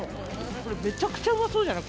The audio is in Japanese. これ、めちゃくちゃうまそうじゃない？